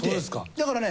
だからね。